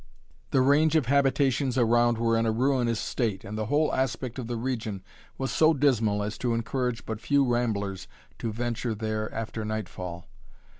The range of habitations around were in a ruinous state and the whole aspect of the region was so dismal as to encourage but few ramblers to venture there after nightfall.